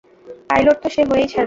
Pilot তো সে হয়েই ছাড়বে।